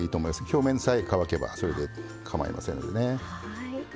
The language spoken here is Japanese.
表面さえ乾けばそれでかまいませんのでね。